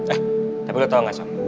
eh tapi lo tau gak sam